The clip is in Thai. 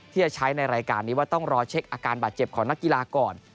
ที่จะใช้ในรายการนี้ว่าต้องรอเช็คอาการบาดเจ็บของนักกีฬาก่อน